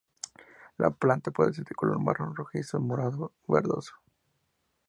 La planta puede ser de color marrón, rojizo-morado o verdoso.